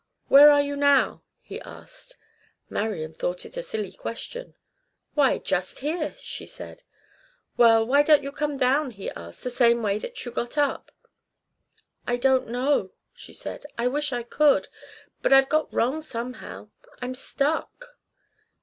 "Where are you now?" he asked. Marian thought it a silly question. "Why, just here," she said. "Well, why don't you come down," he asked, "the same way that you got up?" "I don't know," she said. "I wish I could. But I've got wrong somehow. I'm stuck."